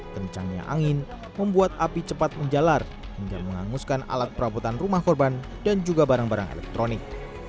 kencangnya angin membuat api cepat menjalar hingga menghanguskan alat perabotan rumah korban dan juga barang barang elektronik